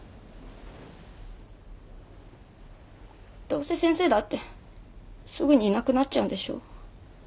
どうせ先生だってすぐにいなくなっちゃうんでしょう？